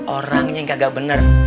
orangnya kagak bener